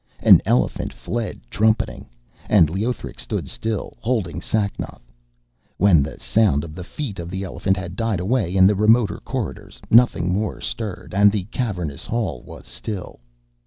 An elephant fled trumpeting. And Leothric stood still, holding Sacnoth. When the sound of the feet of the elephant had died away in the remoter corridors, nothing more stirred, and the cavernous hall was still.